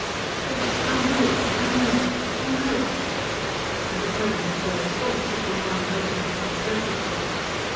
"Yes, I know I know I know!" And the tone in the girl's voice had been one Rosy had not heard before.